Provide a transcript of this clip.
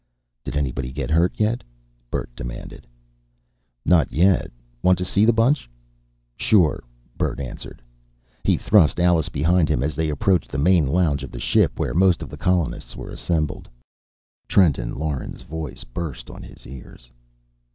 "Did anybody get hurt, yet?" Bert demanded. "Not yet. Want to see the bunch?" "Sure," Bert answered. He thrust Alice behind him as they approached the main lounge of the ship where most of the colonists were assembled. Trenton Lauren's voice burst on his ears.